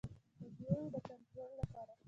د بیو د کنټرول لپاره.